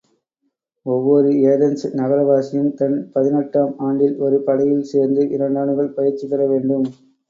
ஒவ்வோர் ஏதென்ஸ் நகரவாசியும் தன் பதினெட்டாம் ஆண்டில் ஒரு படையில் சேர்ந்து, இரண்டாண்டுகள் பயிற்சி பெறவேண்டும்.